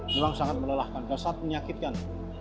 memang sangat melelahkan kesat penyakit kan